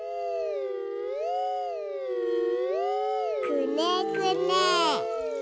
くねくね。